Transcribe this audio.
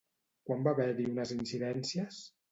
Quan va haver-hi unes incidències?